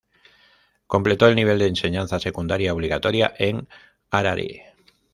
Completó el nivel de enseñanza secundaria obligatoria en Harare.